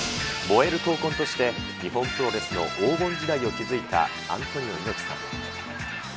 燃える闘魂として、日本プロレスの黄金時代を築いたアントニオ猪木さん。